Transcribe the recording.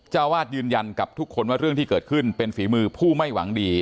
เจ้าวาดยืนยันกับทุกคนว่าเรื่องที่เกิดขึ้นเป็นฝีมือผู้ไม่หวังดี